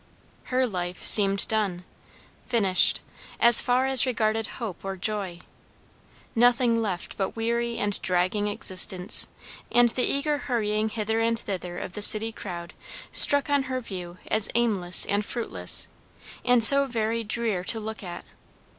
Her life seemed done, finished, as far as regarded hope or joy; nothing left but weary and dragging existence; and the eager hurrying hither and thither of the city crowd struck on her view as aimless and fruitless, and so very drear to look at?